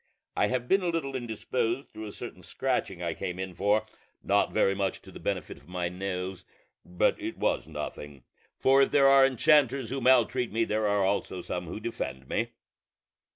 I have been a little indisposed through a certain scratching I came in for, not very much to the benefit of my nose: but it was nothing; for if there are enchanters who maltreat me, there are also some who defend me.